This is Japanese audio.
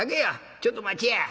ちょっと待ちや。